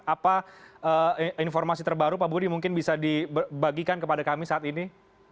apa informasi terbaru pak budi mungkin bisa dibagikan kepada kami saat ini